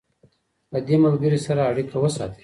له دې ملګري سره اړیکه وساتئ.